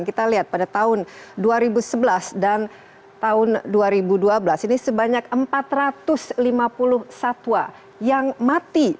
kita lihat pada tahun dua ribu sebelas dan tahun dua ribu dua belas ini sebanyak empat ratus lima puluh satwa yang mati